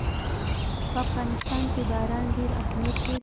په افغانستان کې باران ډېر اهمیت لري.